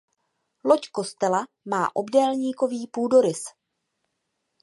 Loď kostela má obdélníkový půdorys.